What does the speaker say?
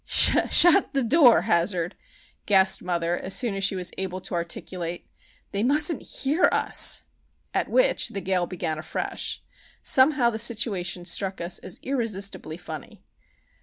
"Shut the door, Hazard," gasped mother, as soon as she was able to articulate. "They mustn't hear us!" At which the gale began afresh. Somehow the situation struck us as irresistibly funny.